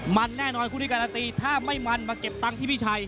มันแน่นอนคู่ที่การันตีถ้าไม่มันมาเก็บตังค์ที่พี่ชัย